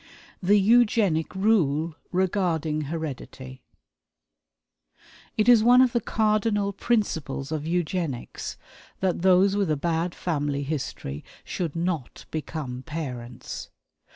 The Eugenic Rule Regarding Heredity. It is one of the cardinal principles of Eugenics that those with a bad family history should not become parents.